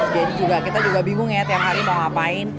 jadi kita juga bingung ya tiang hari mau ngapain